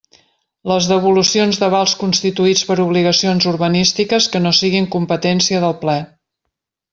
Les devolucions d'avals constituïts per obligacions urbanístiques que no siguin competència del Ple.